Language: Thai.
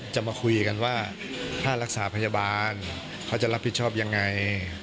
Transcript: จะมาคุยกันว่าค่ารักษาพยาบาลเขาจะรับผิดชอบยังไง